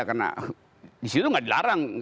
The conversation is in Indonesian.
karena disitu gak dilarang